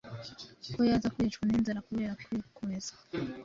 ko yaza kwicwa n’inzara kubera kwikomeza,